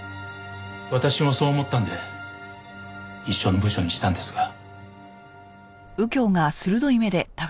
私もそう思ったんで一緒の部署にしたんですが。